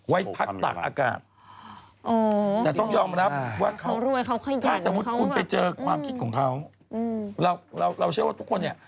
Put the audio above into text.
ไว้พักตากอากาศแต่ต้องยอมรับว่าเขาถ้าสมมุติคุณไปเจอความคิดของเขาเราเชื่อว่าทุกคนเนี่ย